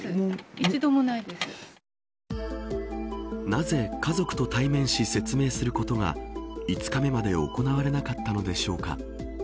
なぜ、家族と対面し説明することが５日目まで行われなかったのでしょうか。